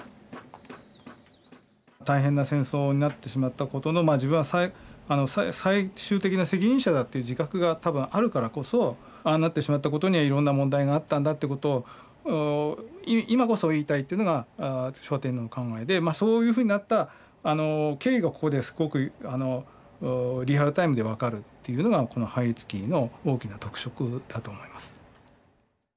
大変な戦争になってしまったことの自分は最終的な責任者だという自覚が多分あるからこそああなってしまったことにはいろんな問題があったんだということを今こそ言いたいというのが昭和天皇の考えでそういうふうになった経緯がここですごくリアルタイムで分かるというのがこの「拝謁記」の大きな特色だと思います。